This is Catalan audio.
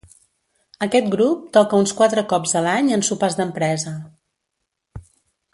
Aquest grup toca uns quatre cops a l'any en sopars d'empresa.